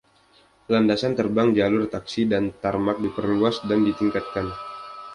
Landasan terbang, jalur taksi, dan tarmak diperluas dan ditingkatkan.